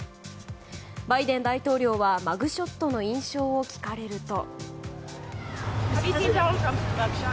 バイデン大統領はマグショットの印象を聞かれると。